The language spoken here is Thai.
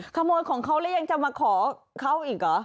ขโมยของเขาแล้วยังจะมาขอเขาอีกเหรอ